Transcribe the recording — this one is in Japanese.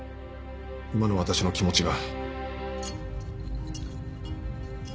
今の私の気持ちが。